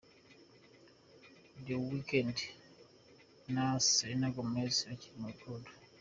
The weekend na Selena Gomez bakiri mu rukundo.